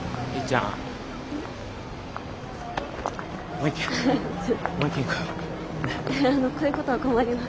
あのこういうことは困ります。